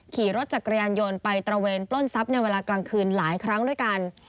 ขี่รถจักรยานยนต์ไปตระเวนปล้นทรัพย์ในเวลากลางคืนหลายครั้งด้วยกัน